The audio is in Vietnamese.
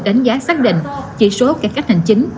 đánh giá xác định chỉ số cải cách hành chính